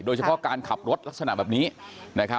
โดยเฉพาะการขับรถลักษณะแบบนี้